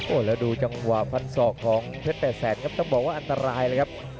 แล้วดูจังหวะฟันศอกของเพชรแปดแสนครับต้องบอกว่าอันตรายเลยครับ